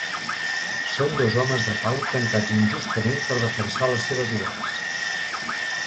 Són dos homes de pau tancats injustament per defensar les seves idees.